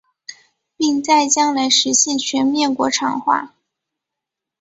并在将来实现全面国产化。